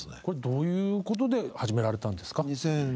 これどういうことで始められたんですか？